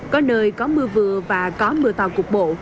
có nơi có mưa vừa và có mưa to cục bộ